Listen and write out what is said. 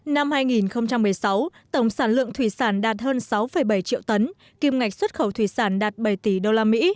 năm hai nghìn một mươi sáu tổng sản lượng thủy sản đạt hơn sáu bảy triệu tấn kim ngạch xuất khẩu thủy sản đạt bảy tỷ usd